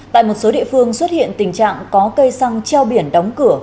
tại một số địa phương xuất hiện tình trạng có cây xăng treo biển đóng cửa